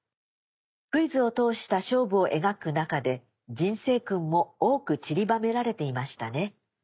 クイズを通した勝負を描く中で人生訓も多くちりばめられていましたね。